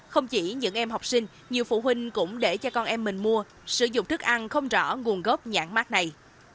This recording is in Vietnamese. không chỉ những em học sinh nhiều phụ huynh cũng để cho con em mình mua sử dụng thức ăn không rõ nguồn gốc nhãn mát này